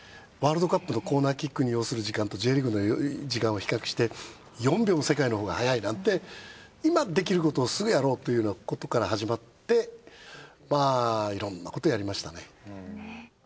ワールドカップでコーナーキックに要する時間とＪリーグの時間を比較して４秒も世界のほうが早いなんて。っていうようなことから始まってまあいろんなことやりましたね。